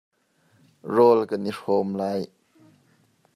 Rawl kan i hrawm lai.